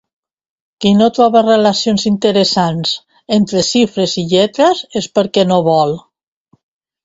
Qui no troba relacions interessants entre xifres i lletres és perquè no vol.